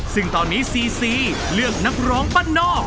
ซึ่งตอนนี้ซีซีเลือกนักร้องบ้านนอก